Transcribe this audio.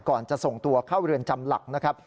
ก่อนจะส่งตัวเข้าเรือนจำหลักนะครับ